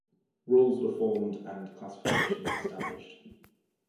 Rules were formed and classifications established.